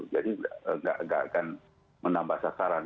jadi tidak akan menambah sasaran